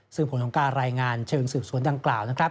ซึ่งผลของการรายงานเชิงสืบสวนดังกล่าวนะครับ